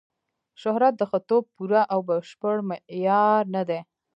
شهرت د ښه توب پوره او بشپړ معیار نه دی.